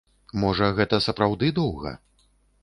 Можа, гэта сапраўды доўга?